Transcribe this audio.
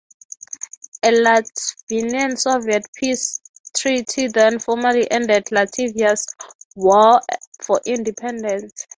A Latvian-Soviet Peace Treaty then formally ended Latvia's War for Independence.